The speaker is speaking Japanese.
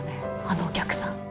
あのお客さん。